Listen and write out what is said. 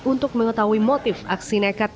untuk mengetahui motif aksi nekat